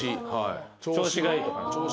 調子がいいとか。